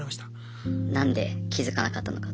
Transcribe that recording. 何で気付かなかったのかと。